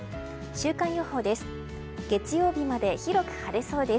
週間予報です。